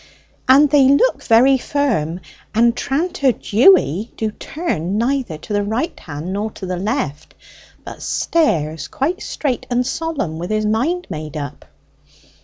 "And they looks very firm, and Tranter Dewy do turn neither to the right hand nor to the left, but stares quite straight and solemn with his mind made up!"